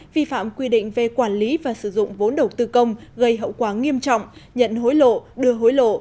vi phạm quy định về quản lý và sử dụng vốn đầu tư công gây hậu quả nghiêm trọng nhận hối lộ đưa hối lộ